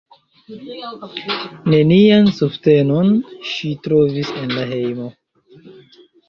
Nenian subtenon ŝi trovis en la hejmo.